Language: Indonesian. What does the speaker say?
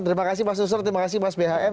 terima kasih mas nusro terima kasih mas bhm